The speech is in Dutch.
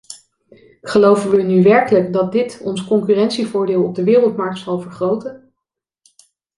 Geloven we nu werkelijk dat dit ons concurrentievoordeel op de wereldmarkt zal vergroten?